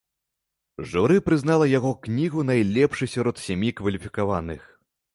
Журы прызнала яго кнігу найлепшай сярод сямі кваліфікаваных.